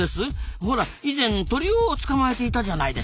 ほら以前鳥を捕まえていたじゃないですか。